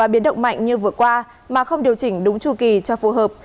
biến động mạnh như vừa qua mà không điều chỉnh đúng chu kỳ cho phù hợp